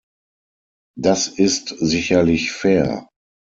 Das ist sicherlich fair.